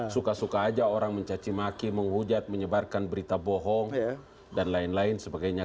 suka suka aja orang mencacimaki menghujat menyebarkan berita bohong dan lain lain sebagainya